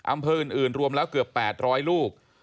อำเภออื่นรวมแล้วเกือบ๘๐๐ลูก